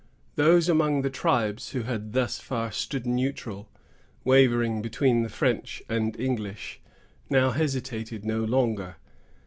Those among the tribes who had thus far stood neutral, wavering between the French and English, now hesitated no longer.